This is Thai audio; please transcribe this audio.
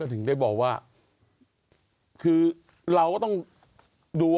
ถึงได้บอกว่าคือเราก็ต้องดู